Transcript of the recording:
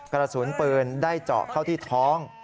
กระสุนปืนได้เจาะเข้าที่ท้อง